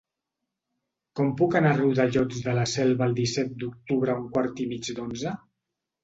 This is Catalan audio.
Com puc anar a Riudellots de la Selva el disset d'octubre a un quart i mig d'onze?